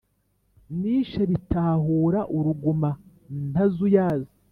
Nishe Bitahura uruguma ntazuyaza,